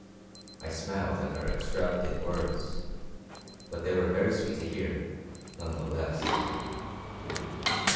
I smiled at her extravagant words, but they were very sweet to hear, none the less.